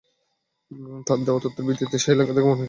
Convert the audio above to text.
তাঁর দেওয়া তথ্যের ভিত্তিতে একই এলাকা থেকে মনিরকে গ্রেপ্তার করা হয়।